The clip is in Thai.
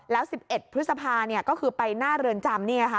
แล้ว๑๑พฤษภาก็คือไปหน้าเรือนจำ